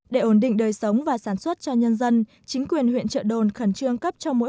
để ổn định đời sống và sản xuất cho nhân dân chính quyền huyện trợ đồn khẩn trương cấp cho mỗi